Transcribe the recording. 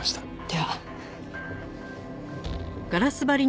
では。